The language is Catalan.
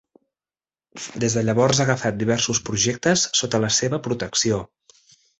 Des de llavors ha agafat diversos projectes sota la seva protecció.